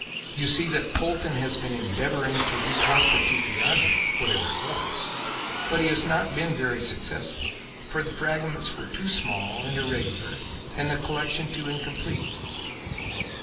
You see that Polton has been endeavouring to reconstitute the object, whatever it was; but he has not been very successful, for the fragments were too small and irregular and the collection too incomplete.